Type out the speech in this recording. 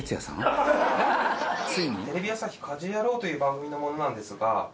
テレビ朝日『家事ヤロウ！！！』という番組の者なんですが。